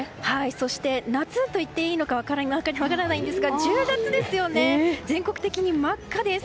そして、夏といっていいのか分からないですが１０月、全国的に真っ赤です！